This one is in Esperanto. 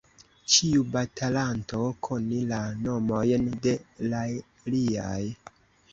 Ĉiu batalanto konis la nomojn de l' aliaj.